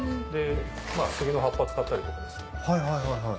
杉の葉っぱ使ったりとかもする。